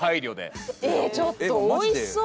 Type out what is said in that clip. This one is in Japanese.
えっちょっとおいしそう！